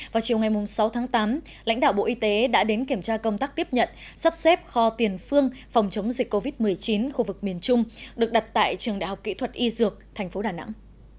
vào chiều ngày sáu tháng tám lãnh đạo bộ y tế đã đến kiểm tra công tác tiếp nhận sắp xếp kho tiền phương phòng chống dịch covid một mươi chín khu vực miền trung được đặt tại trường đại học kỹ thuật y dược tp đà nẵng